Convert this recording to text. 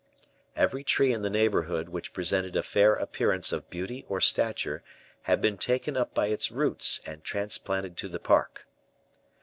Every tree in the neighborhood which presented a fair appearance of beauty or stature had been taken up by its roots and transplanted to the park.